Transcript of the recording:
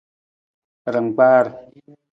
Rangkpaar.